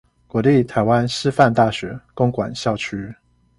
國立臺灣師範大學公館校區